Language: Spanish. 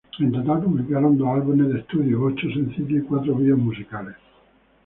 En total publicaron dos álbumes de estudio, ocho sencillos y cuatro vídeos musicales.